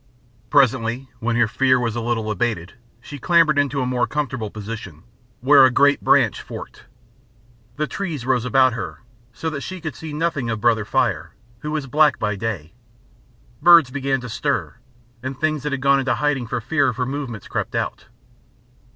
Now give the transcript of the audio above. Presently when her fear was a little abated she clambered into a more comfortable position, where a great branch forked. The trees rose about her, so that she could see nothing of Brother Fire, who is black by day. Birds began to stir, and things that had gone into hiding for fear of her movements crept out....